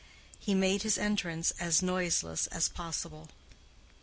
He made his entrance as noiseless as possible.